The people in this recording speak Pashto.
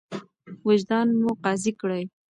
وجدان مو قاضي کړئ.